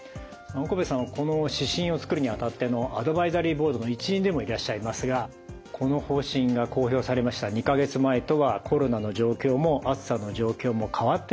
岡部さんはこの指針を作るにあたってのアドバイザリーボードの一員でもいらっしゃいますがこの方針が公表されました２か月前とはコロナの状況も暑さの状況も変わっていると思います。